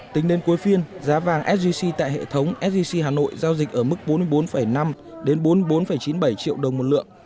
tính đến cuối phiên giá vàng sgc tại hệ thống sgc hà nội giao dịch ở mức bốn mươi bốn năm đến bốn mươi bốn chín mươi bảy triệu đồng một lượng